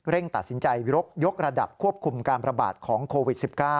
ตัดสินใจยกระดับควบคุมการประบาดของโควิด๑๙